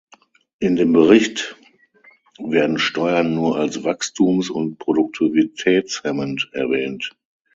In dem Bericht werden Steuern nur als wachstums- und produktivitätshemmend erwähnt.